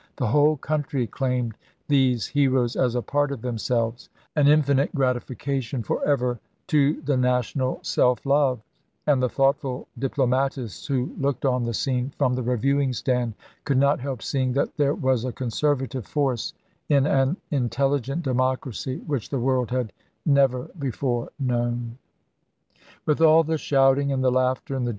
The whole country claimed these heroes as a part of themselves, an infinite gratification forever to the national self love ; and the thoughtful diplomatists who looked on the scene from the reviewing stand could not help seeing that there was a conservative force in an intelligent democracy which the world had never before known. THE END OF REBELLION 335 With all the shouting and the laughter and the ch.